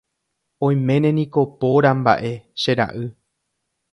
Oiméne niko póra mba'e, che ra'y.